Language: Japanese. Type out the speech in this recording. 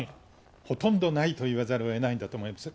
ほとんどないと言わざるをえないと思うんですね。